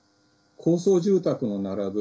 高層住宅の並ぶ